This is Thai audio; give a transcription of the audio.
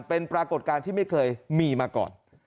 เป็นปรากฏการณ์ที่ไม่เคยมีมาก่อน